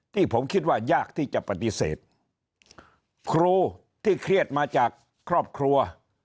ที่ผมคิดว่ายากที่จะปฏิเสธครูที่เครียดมาจากครอบครัว